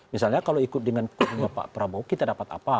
misalnya kalau ikut dengan kurnya pak prabowo kita dapat apa